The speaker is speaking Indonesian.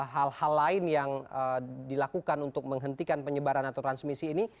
hal hal lain yang dilakukan untuk menghentikan penyebaran atau transmisi ini